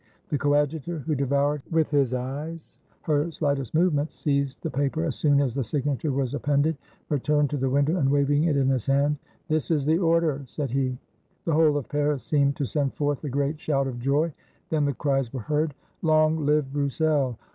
The Coadjutor, who devoured with his eyes her slight est movements, seized the paper as soon as the signature was appended, returned to the window, and waving it in his hand, ''This is the order," said he. The whole of Paris seemed to send forth a great shout of joy; then the cries were heard, "Long live Broussel!